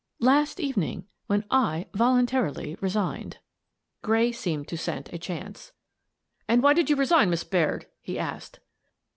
"Last evening — when I voluntarily resigned." Gray seemed to scent a chance. "And why did you resign, Miss Baird?" he asked.